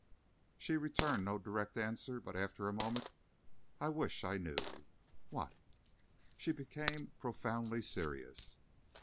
She returned no direct answer, but after a moment: "I wish I knew." "What?" She became profoundly serious.